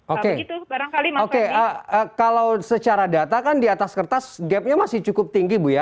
oke kalau secara data kan di atas kertas gapnya masih cukup tinggi bu ya